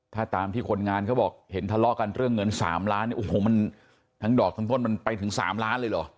ถ้าตามที่คนงานเขาบอกเห็นทะเลาะกันเรื่องเงิน๓ล้านเนี่ยโอ้โหมันทั้งดอกทั้งต้นมันไปถึง๓ล้านเลยเหรอ